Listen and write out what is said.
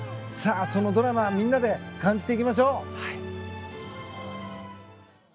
そのドラマをみんなで感じていきましょう！